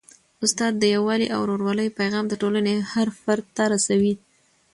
استاد د یووالي او ورورولۍ پیغام د ټولني هر فرد ته رسوي.